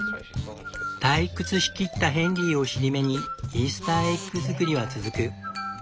退屈しきったヘンリーを尻目にイースターエッグ作りは続く。